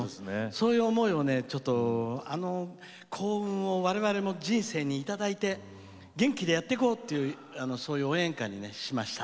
そういう思いを、ちょっとあの幸運を我々も人生にいただいて元気でやっていこうっていうそういう応援歌にしました。